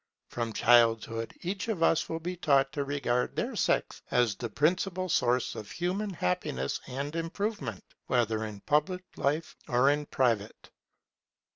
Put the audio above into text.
From childhood each of us will be taught to regard their sex as the principal source of human happiness and improvement, whether in public life or in private.